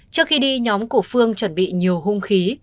trước khi đi nhóm của phương chuẩn bị nhiều hung khí